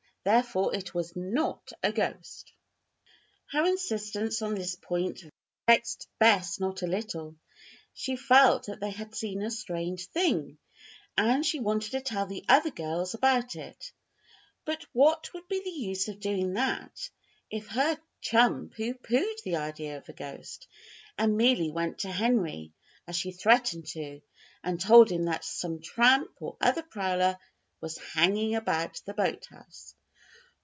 Therefore it was not a ghost." Her insistence on this point vexed Bess not a little. She felt that they had seen a strange thing, and she wanted to tell the other girls about it. But what would be the use of doing that if her chum pooh poohed the idea of a ghost and merely went to Henry, as she threatened to, and told him that some tramp, or other prowler, was hanging about the boathouse?